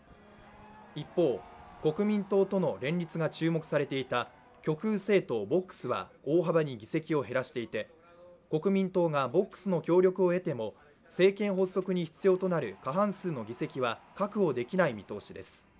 一方、国民党との連立が注目されていた極右政党・ＶＯＸは大幅に議席を減らしていて国民党がＶＯＸの協力を得ても政権発足に必要となる過半数の議席は確保できない見通しです。